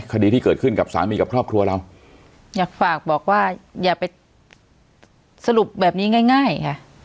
คดีที่เกิดขึ้นกับสามีกับครอบครัวเราอยากฝากบอกว่าอย่าไปสรุปแบบนี้ง่ายง่ายค่ะ